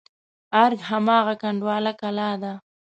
ارګ هماغه کنډواله کلا ده.